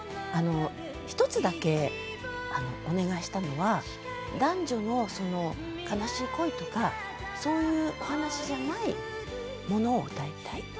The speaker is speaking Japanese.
１つだけお願いしたのは男女の悲しい恋とかそういうお話じゃないものを歌いたい。